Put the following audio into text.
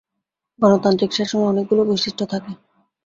গণতান্ত্রিক শাসনের অনেকগুলো বৈশিষ্ট্য থাকে।